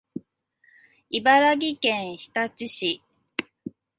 茨城県日立市